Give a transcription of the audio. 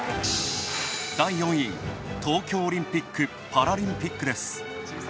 第４位、東京オリンピック・パラリンピックです。